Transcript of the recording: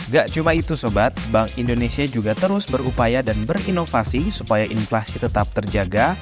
gak cuma itu sobat bank indonesia juga terus berupaya dan berinovasi supaya inflasi tetap terjaga